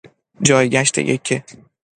جایگشت یکه